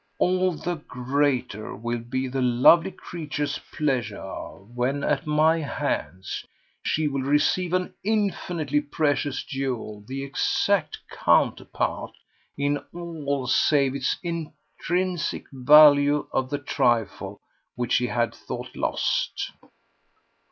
All the greater will be the lovely creature's pleasure when, at my hands, she will receive an infinitely precious jewel the exact counterpart in all save its intrinsic value of the trifle which she had thought lost."